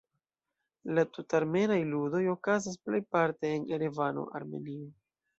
La Tut-armenaj Ludoj okazas plejparte en Erevano, Armenio.